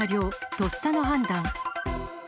とっさの判断。